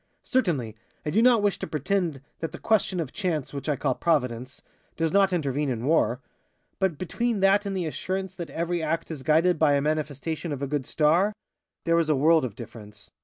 Certainly, I do not wish to pretend that the question of chance, which I call Providence, does not intervene in war. But between that and the assurance that every act is guided by a manifestation of a good star there is a world of difference.